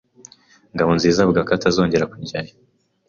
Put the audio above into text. Ngabonziza avuga ko atazongera kujyayo.